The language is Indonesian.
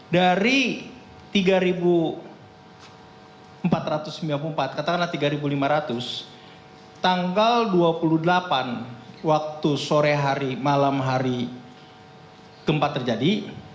dari tiga empat ratus sembilan puluh empat katakanlah tiga lima ratus tanggal dua puluh delapan waktu sore hari malam hari gempa terjadi